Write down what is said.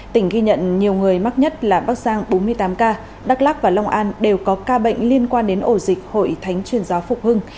tỉnh ghi nhận nhiều người mắc nhất là bắc giang bốn mươi tám ca đắk lắc và long an đều có ca bệnh liên quan đến ổ dịch hội thánh chuyên giáo phục hưng